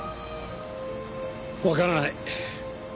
わからない。